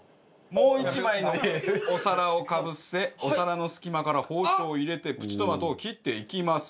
もう１枚のお皿をかぶせお皿の隙間から包丁を入れてプチトマトを切っていきます。